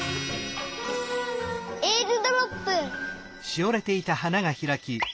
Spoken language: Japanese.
えーるドロップ！